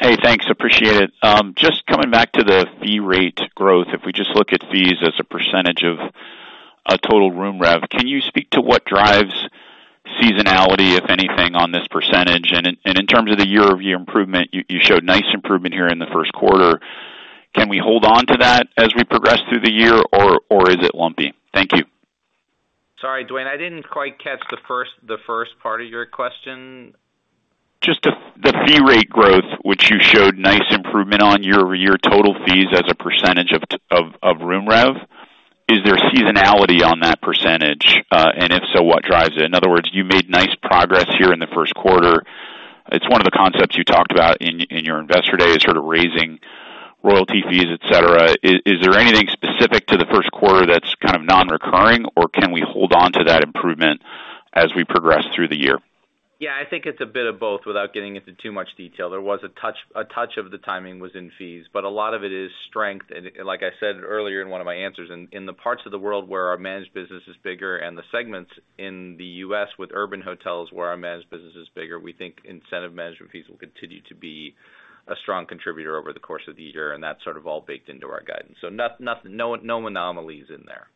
Hey, thanks. Appreciate it. Just coming back to the fee rate growth, if we just look at fees as a percentage of, total room rev, can you speak to what drives seasonality, if anything, on this percentage? And in, and in terms of the year-over-year improvement, you, you showed nice improvement here in the first quarter. Can we hold on to that as we progress through the year, or, or is it lumpy? Thank you. Sorry, Duane, I didn't quite catch the first part of your question. Just the fee rate growth, which you showed nice improvement on year-over-year total fees as a percentage of room rev. Is there seasonality on that percentage? And if so, what drives it? In other words, you made nice progress here in the first quarter. It's one of the concepts you talked about in your Investor Day, is sort of raising royalty fees, et cetera. Is there anything specific to the first quarter that's kind of non-recurring, or can we hold on to that improvement as we progress through the year? Yeah, I think it's a bit of both, without getting into too much detail. There was a touch of the timing was in fees, but a lot of it is strength. And like I said earlier in one of my answers, in the parts of the world where our managed business is bigger and the segments in the U.S. with urban hotels, where our managed business is bigger, we think incentive management fees will continue to be a strong contributor over the course of the year, and that's sort of all baked into our guidance. So nothing no, no anomalies in that.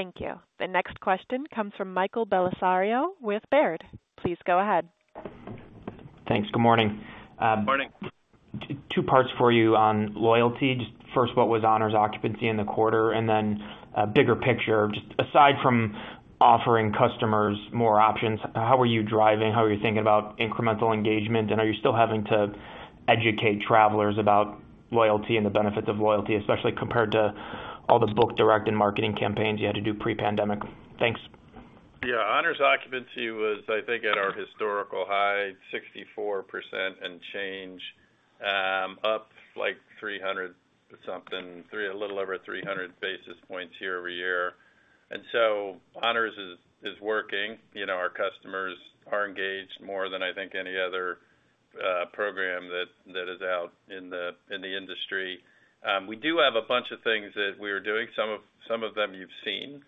Thank you. The next question comes from Michael Bellisario with Baird. Please go ahead. Thanks. Good morning. Good morning. Two parts for you on loyalty. Just first, what was Honors occupancy in the quarter? And then, bigger picture, just aside from offering customers more options, how are you driving, how are you thinking about incremental engagement? And are you still having to educate travelers about loyalty and the benefits of loyalty, especially compared to all the book direct and marketing campaigns you had to do pre-pandemic? Thanks. Yeah, Honors occupancy was, I think, at our historical high, 64% and change, up like 300-something, three—a little over 300 basis points year-over-year. And so Honors is working. You know, our customers are engaged more than I think any other program that is out in the industry. We do have a bunch of things that we are doing. Some of them you've seen,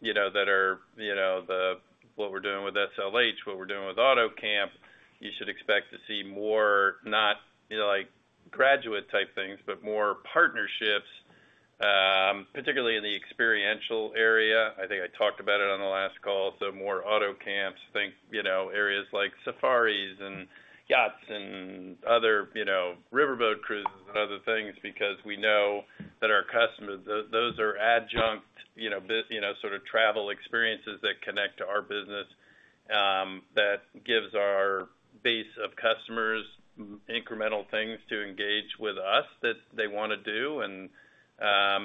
you know, that are the what we're doing with SLH, what we're doing with AutoCamp. You should expect to see more, not, you know, like, Graduate-type things, but more partnerships, particularly in the experiential area. I think I talked about it on the last call, so more AutoCamps. Think, you know, areas like safaris and yachts and other, you know, riverboat cruises and other things, because we know that our customers. Those are adjunct, you know, sort of travel experiences that connect to our business, that gives our base of customers incremental things to engage with us that they wanna do and,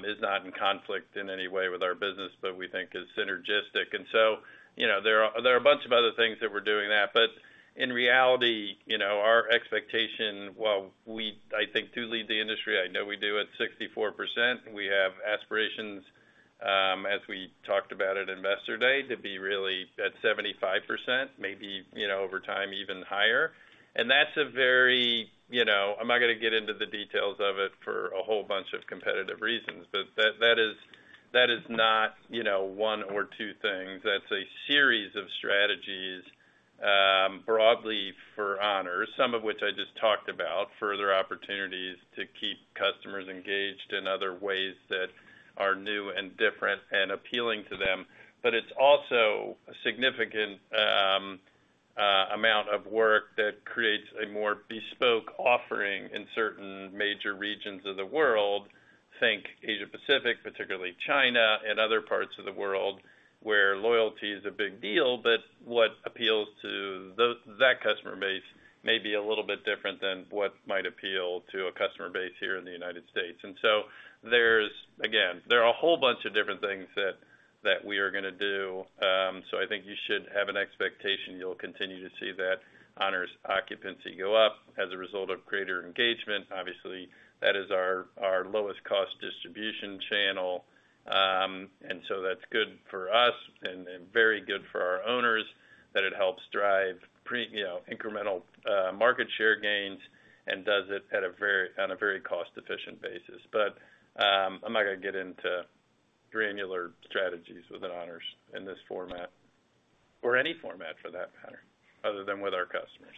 is not in conflict in any way with our business, but we think is synergistic. And so, you know, there are a bunch of other things that we're doing that. But in reality, you know, our expectation, while we, I think, do lead the industry, I know we do at 64%, we have aspirations, as we talked about at Investor Day, to be really at 75%, maybe, you know, over time, even higher. And that's a very you know, I'm not gonna get into the details of it for a whole bunch of competitive reasons, but that, that is, that is not, you know, one or two things. That's a series of strategies, broadly for Honors, some of which I just talked about, further opportunities to keep customers engaged in other ways that are new and different and appealing to them. But it's also a significant amount of work that creates a more bespoke offering in certain major regions of the world. Think Asia Pacific, particularly China and other parts of the world, where loyalty is a big deal, but what appeals to those, that customer base may be a little bit different than what might appeal to a customer base here in the United States. And so there's, again, there are a whole bunch of different things that, that we are gonna do. I think you should have an expectation you'll continue to see that Honors occupancy go up as a result of greater engagement. Obviously, that is our lowest cost distribution channel. That's good for us and very good for our owners, that it helps drive you know, incremental market share gains and does it on a very cost-efficient basis. But I'm not gonna get into granular strategies within Honors in this format, or any format for that matter, other than with our customers.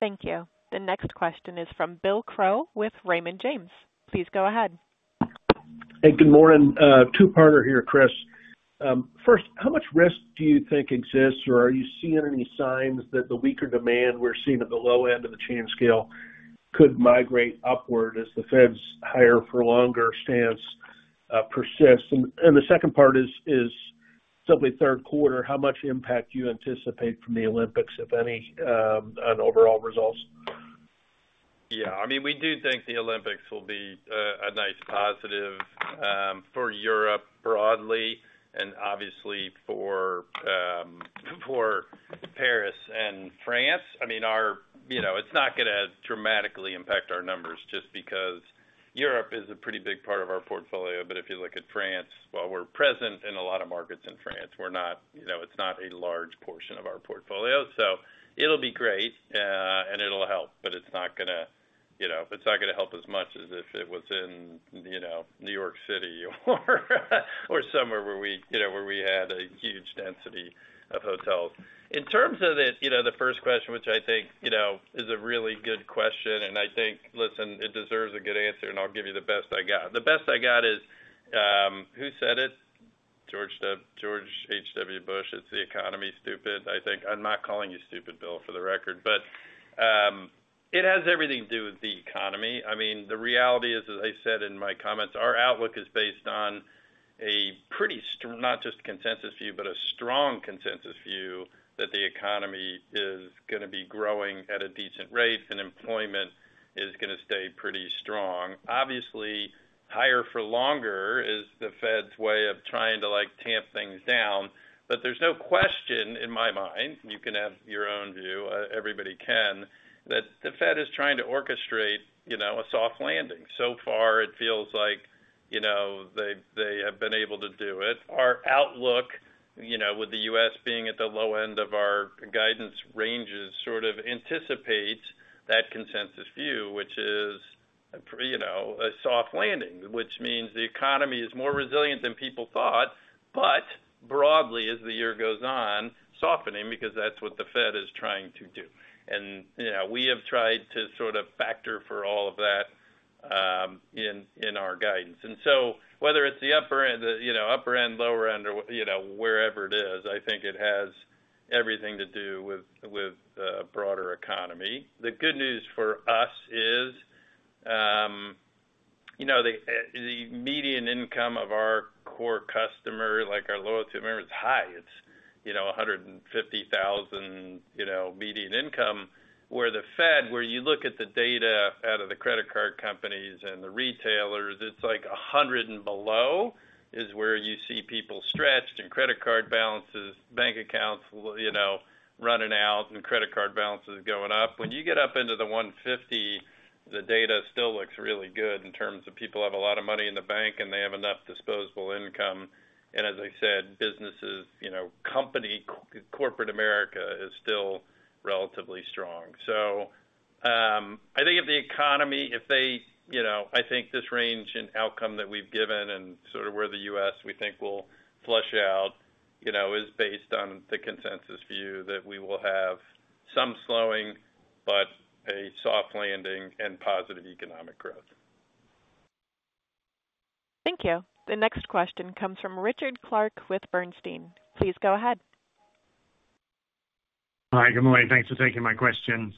Thank you. The next question is from Bill Crow with Raymond James. Please go ahead. Hey, good morning. Two-parter here, Chris. First, how much risk do you think exists, or are you seeing any signs that the weaker demand we're seeing at the low end of the chain scale could migrate upward as the Fed's higher for longer stance persists? And the second part is simply third quarter, how much impact do you anticipate from the Olympics, if any, on overall results? Yeah, I mean, we do think the Olympics will be a nice positive for Europe broadly and obviously for Paris and France. I mean, you know, it's not gonna dramatically impact our numbers, just because Europe is a pretty big part of our portfolio. But if you look at France, while we're present in a lot of markets in France, we're not, you know, it's not a large portion of our portfolio. So it'll be great, and it'll help, but it's not gonna, you know, it's not gonna help as much as if it was in, you know, New York City or somewhere where we, you know, where we had a huge density of hotels. In terms of the, you know, the first question, which I think, you know, is a really good question, and I think, listen, it deserves a good answer, and I'll give you the best I got. The best I got is, who said it? George H.W. Bush: "It's the economy, stupid." I think I'm not calling you stupid, Bill, for the record, but, it has everything to do with the economy. I mean, the reality is, as I said in my comments, our outlook is based on a pretty strong consensus view that the economy is gonna be growing at a decent rate and employment is gonna stay pretty strong. Obviously, higher for longer is the Fed's way of trying to, like, tamp things down. But there's no question in my mind, you can have your own view, everybody can, that the Fed is trying to orchestrate, you know, a soft landing. So far, it feels like, you know, they have been able to do it. Our outlook, you know, with the U.S. being at the low end of our guidance ranges, sort of anticipates that consensus view, which is, you know, a soft landing, which means the economy is more resilient than people thought, but as the year goes on, softening, because that's what the Fed is trying to do. And, you know, we have tried to sort of factor for all of that, in our guidance. And so whether it's the upper end, you know, upper end, lower end, or, you know, wherever it is, I think it has everything to do with broader economy. The good news for us is, you know, the median income of our core customer, like our loyalty member, is high. It's, you know, $150,000, you know, median income, where the Fed, where you look at the data out of the credit card companies and the retailers, it's like $100 and below, is where you see people stretched and credit card balances, bank accounts, you know, running out and credit card balances going up. When you get up into the $150, the data still looks really good in terms of people have a lot of money in the bank, and they have enough disposable income. And as I said, businesses, you know, company-Corporate America is still relatively strong. So, I think if the economy you know, I think this range and outcome that we've given and sort of where the U.S., we think will play out, you know, is based on the consensus view that we will have some slowing, but a soft landing and positive economic growth. Thank you. The next question comes from Richard Clarke with Bernstein. Please go ahead. Hi, good morning. Thanks for taking my questions.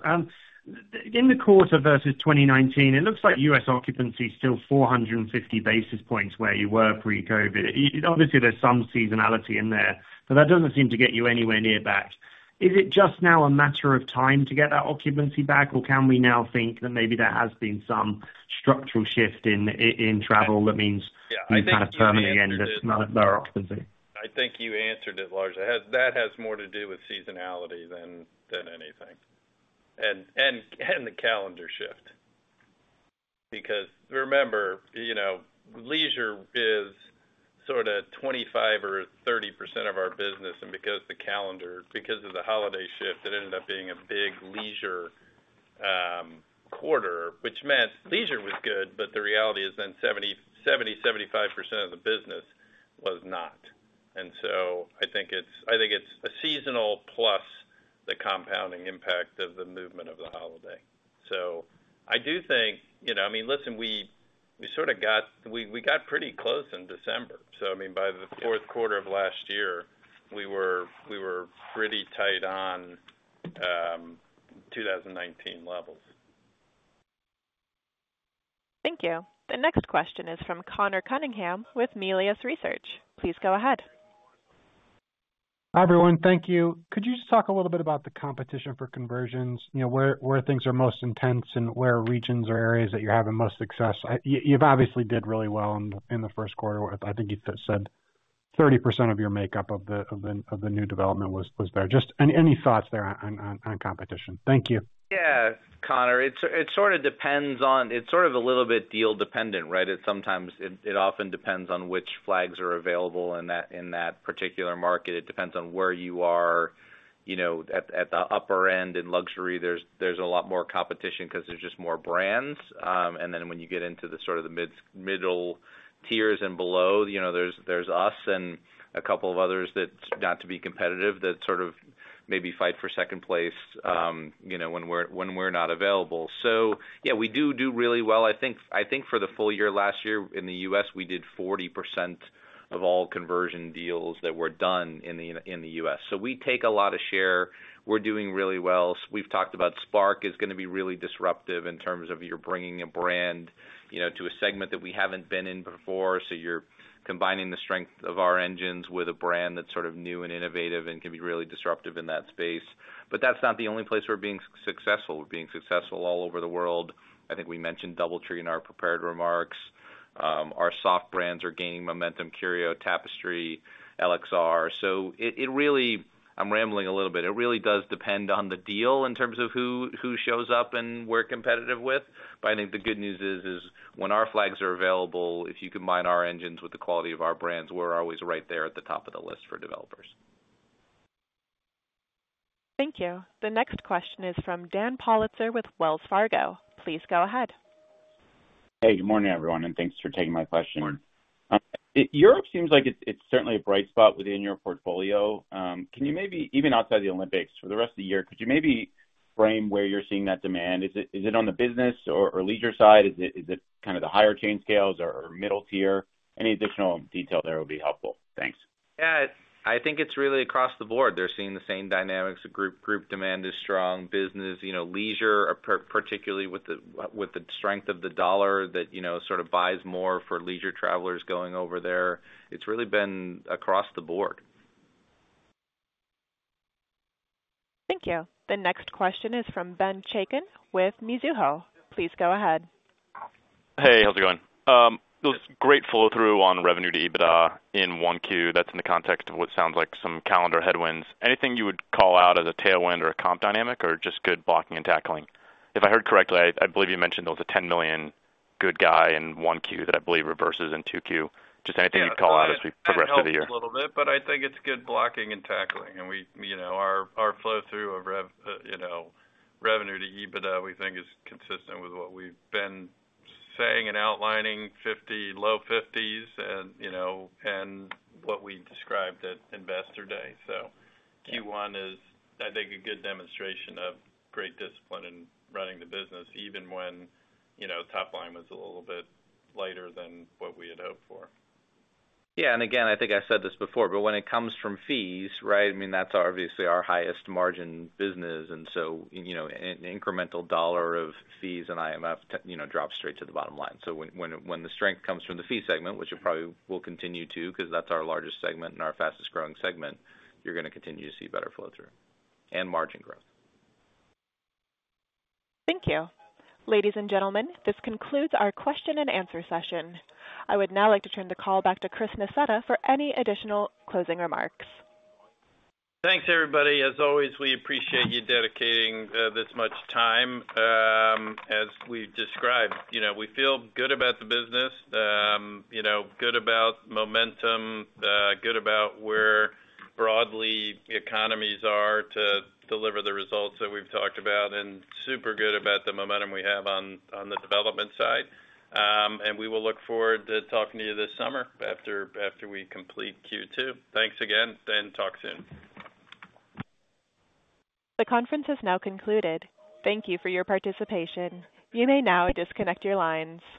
In the quarter versus 2019, it looks like U.S. occupancy is still 450 basis points where you were pre-COVID. Obviously, there's some seasonality in there, but that doesn't seem to get you anywhere near back. Is it just now a matter of time to get that occupancy back, or can we now think that maybe there has been some structural shift in in travel that means- Yeah. Any kind of permanent lower occupancy? I think you answered it, largely. It has. That has more to do with seasonality than, than anything. And, and, and the calendar shift. Because remember, you know, leisure is sort of 25% or 30% of our business, and because the calendar, because of the holiday shift, it ended up being a big leisure quarter, which meant leisure was good, but the reality is then 70, 70, 75% of the business was not. And so I think it's, I think it's a seasonal plus the compounding impact of the movement of the holiday. So I do think, you know, I mean, listen, we, we sorta got. We, we got pretty close in December. So I mean, by the fourth quarter of last year, we were, we were pretty tight on 2019 levels. Thank you. The next question is from Conor Cunningham with Melius Research. Please go ahead. Hi, everyone. Thank you. Could you just talk a little bit about the competition for conversions? You know, where things are most intense and where regions or areas that you're having most success? You, you've obviously did really well in the first quarter. I think you said 30% of your makeup of the new development was there. Just any thoughts there on competition? Thank you. Yeah, Conor, it sort of depends on it's sort of a little bit deal dependent, right? It sometimes often depends on which flags are available in that particular market. It depends on where you are. You know, at the upper end, in luxury, there's a lot more competition because there's just more brands. And then when you get into the sort of the middle tiers and below, you know, there's us and a couple of others that, not to be competitive, that sort of maybe fight for second place, you know, when we're not available. So yeah, we do really well. I think for the full year, last year in the US, we did 40% of all conversion deals that were done in the US. So we take a lot of share. We're doing really well. We've talked about Spark is going to be really disruptive in terms of you're bringing a brand, you know, to a segment that we haven't been in before. So you're combining the strength of our engines with a brand that's sort of new and innovative and can be really disruptive in that space. But that's not the only place we're being successful. We're being successful all over the world. I think we mentioned DoubleTree in our prepared remarks. Our soft brands are gaining momentum, Curio, Tapestry, LXR. So it really I'm rambling a little bit. It really does depend on the deal in terms of who shows up and we're competitive with. I think the good news is, when our flags are available, if you combine our engines with the quality of our brands, we're always right there at the top of the list for developers. Thank you. The next question is from Dan Politzer with Wells Fargo. Please go ahead. Hey, good morning, everyone, and thanks for taking my question. Good morning. Europe seems like it's certainly a bright spot within your portfolio. Even outside the Olympics for the rest of the year, could you maybe frame where you're seeing that demand? Is it on the business or leisure side? Is it kind of the higher chain scales or middle tier? Any additional detail there will be helpful. Thanks. Yeah, I think it's really across the board. They're seeing the same dynamics. The group demand is strong. Business, you know, leisure, particularly with the strength of the dollar, that, you know, sort of buys more for leisure travelers going over there. It's really been across the board. Thank you. The next question is from Ben Chaiken with Mizuho. Please go ahead. Hey, how's it going? Great flow-through on revenue to EBITDA in Q1. That's in the context of what sounds like some calendar headwinds. Anything you would call out as a tailwind or a comp dynamic, or just good blocking and tackling? If I heard correctly, I believe you mentioned there was a $10 million goodwill in Q1 that I believe reverses in Q2. Just anything you would call out as for the rest of the year. That helps a little bit, but I think it's good blocking and tackling. And we, you know, our, our flow-through of rev, you know, revenue to EBITDA, we think is consistent with what we've been saying and outlining 50, low 50s, and, you know, and what we described at Investor Day. So Q1 is, I think, a good demonstration of great discipline in running the business, even when, you know, top line was a little bit lighter than what we had hoped for. Yeah, and again, I think I said this before, but when it comes from fees, right? I mean, that's obviously our highest margin business. And so, you know, an incremental dollar of fees and IMF, you know, drops straight to the bottom line. So when the strength comes from the fee segment, which it probably will continue to, because that's our largest segment and our fastest-growing segment, you're going to continue to see better flow-through and margin growth. Thank you. Ladies and gentlemen, this concludes our question and answer session. I would now like to turn the call back to Chris Nassetta for any additional closing remarks. Thanks, everybody. As always, we appreciate you dedicating this much time. As we've described, you know, we feel good about the business, you know, good about momentum, good about where broadly economies are to deliver the results that we've talked about, and super good about the momentum we have on the development side. We will look forward to talking to you this summer after we complete Q2. Thanks again, and talk soon. The conference has now concluded. Thank you for your participation. You may now disconnect your lines.